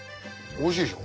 おいしいでしょ？